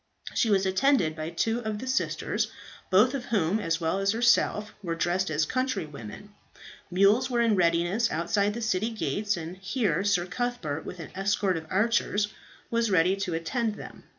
She was attended by two of the sisters, both of whom, as well as herself, were dressed as countrywomen. Mules were in readiness outside the city gates, and here Sir Cuthbert, with an escort of archers, was ready to attend them.